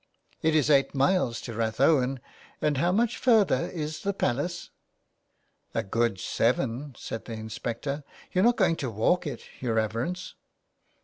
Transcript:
It is eight miles to Rathowen, and how much further is the Palace ?"" A good seven," said the inspector. " You're not going to walk it, your reverence